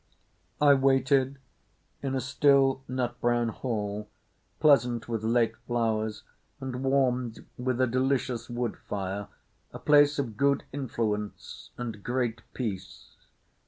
I waited in a still, nut brown hall, pleasant with late flowers and warmed with a delicious wood fire—a place of good influence and great peace.